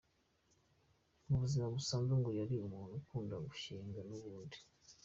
Mu buzima busanzwe ngo yari umuntu ukunda gushyenga n’ubundi.